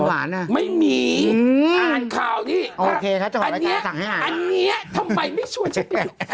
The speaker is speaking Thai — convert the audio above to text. หวานน่ะอืมอ่านข่าวดิอันนี้อันนี้ทำไมไม่ชวนช่วย